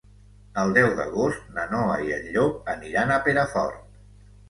El deu d'agost na Noa i en Llop aniran a Perafort.